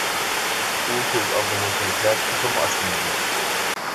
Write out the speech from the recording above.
ئۇ كۆز ئالدىمغا كەلسە تېخىمۇ ئاچمايدۇ.